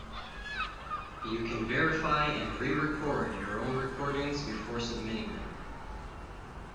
You can verify and re-record your own recordings before submitting them.